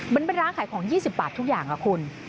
มันเป็นร้านขายของ๒๐บาททุกอย่างล่ะคุณ